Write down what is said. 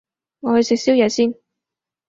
我去食宵夜先